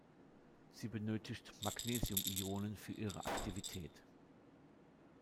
Sie benötigt Magnesiumionen für ihre Aktivität.